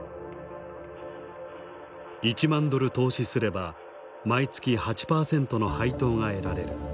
１万ドル投資すれば毎月８％の配当が得られる。